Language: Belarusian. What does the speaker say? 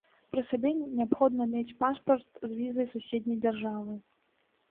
Пры сабе неабходна мець пашпарт з візай суседняй дзяржавы.